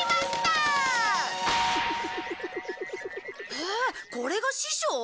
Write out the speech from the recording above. へえこれが師匠？